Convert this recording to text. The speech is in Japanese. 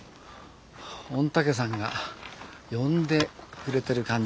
御嶽山が呼んでくれてる感じ？